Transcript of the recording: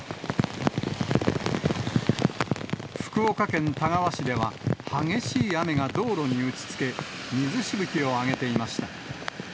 福岡県田川市では、激しい雨が道路に打ちつけ、水しぶきを上げていました。